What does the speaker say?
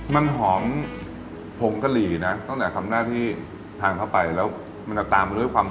มันหอมผงกะหรี่นะตั้งแต่ทำหน้าที่ทานเข้าไปแล้วมันจะตามมาด้วยความ